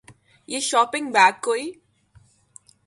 یہ shopping bag کوئی